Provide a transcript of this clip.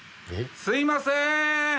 すいません！